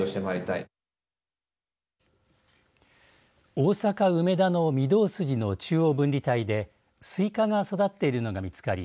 大阪梅田の御堂筋の中央分離帯でスイカが育っているのが見つかり